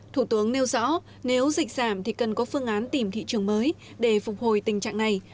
thủ tướng nêu rõ nếu dịch giảm thì cần có phương án tìm thị trường mới để phục hồi tình trạng này